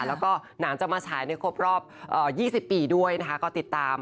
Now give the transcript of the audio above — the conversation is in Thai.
แล้วก็หนังจะมาฉายในครบรอบ๒๐ปีด้วยนะคะก็ติดตาม